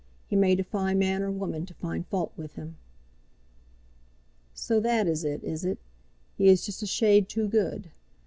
He may defy man or woman to find fault with him." "So that is it, is it? He is just a shade too good.